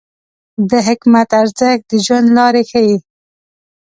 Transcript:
د حکمت ارزښت د ژوند لار ښیي.